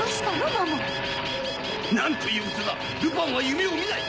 マモー。何ということだルパンは夢を見ない！